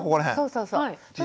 そうそうそう。